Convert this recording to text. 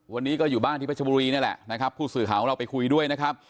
วันนี้ก็อยู่บ้านที่พัชบุรีนี่แหละนะครับผู้สื่อข่าวของเราไปคุยด้วยนะครับ